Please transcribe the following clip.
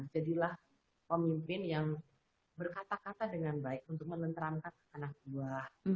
jadilah pemimpin yang berkata kata dengan baik untuk menenteramkan anak buah